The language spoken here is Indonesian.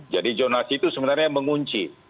jadi jonasi itu sebenarnya mengunci